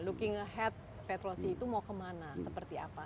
looking ahead petrosi itu mau kemana seperti apa